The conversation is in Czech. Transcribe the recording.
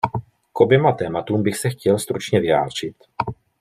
K oběma tématům bych se chtěl stručně vyjádřit.